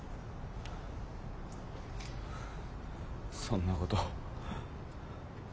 そんなこと。